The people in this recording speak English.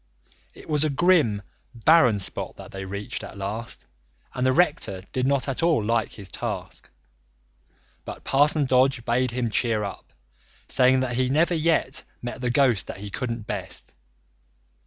It was a grim, barren spot that they reached at last and the rector did not at all like his task. But Parson Dodge bade him cheer up, saying that he never yet met the ghost that he couldn't best.